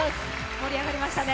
盛り上がりましたね。